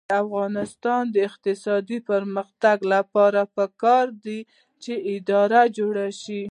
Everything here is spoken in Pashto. د افغانستان د اقتصادي پرمختګ لپاره پکار ده چې اداره جوړه شي.